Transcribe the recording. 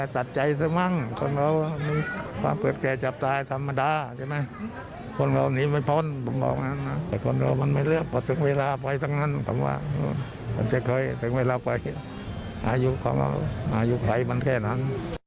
จะคอยถึงเวลาไปพายุไพรมันแค่นั้น